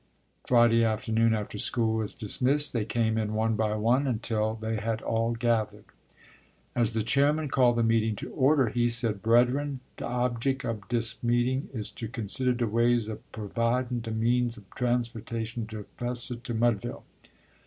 Friday afternoon, after school was dismissed, they came in one by one until they had all gathered. As the chairman called the meeting to order, he said: "Brederen, de objick ob dis meeting is to consider de ways ob pervidin de means ob transposin de 'fessar to Mudville."